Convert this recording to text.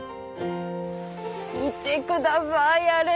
見てくださいあれ。